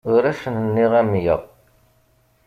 Ur asen-nniɣ amya.